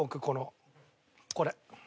このこれ。